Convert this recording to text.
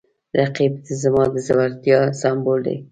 رقیب زما د زړورتیا سمبول دی